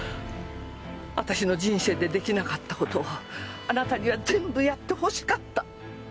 私の人生で出来なかった事をあなたには全部やってほしかった。